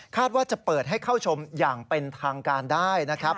ว่าจะเปิดให้เข้าชมอย่างเป็นทางการได้นะครับ